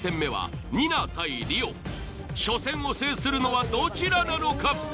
初戦を制するのはどちらなのか？